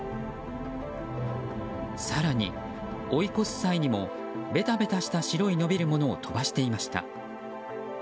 更に、追い越す際にもベタベタした白い伸びるものを飛ばしていました。